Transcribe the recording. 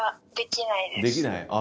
できない？